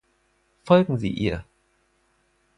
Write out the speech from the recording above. Folgen Sie ihr!